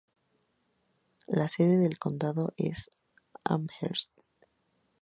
La sede de condado es Amherst.